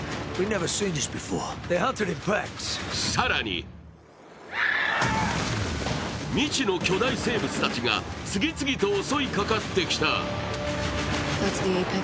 更に未知の巨大生物たちが次々と襲いかかってきた。